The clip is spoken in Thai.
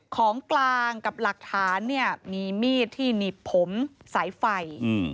ของกลางกับหลักฐานเนี่ยมีมีดที่หนีบผมสายไฟ